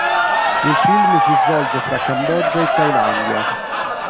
Il film si svolge fra Cambogia e Thailandia.